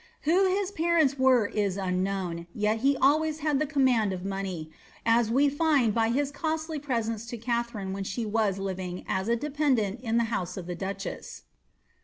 Who his parents were is unknown, yet he always had the cooinaod of money, as we find by his costly presents to Katharine when she vas living as a dependant in the house of the duchess.